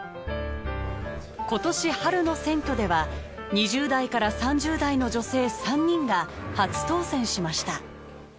今年春の選挙では２０代から３０代の女性３人が初当選しました。